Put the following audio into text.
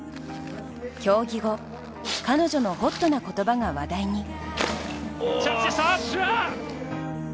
競技後、彼女のホットな言葉が話題に。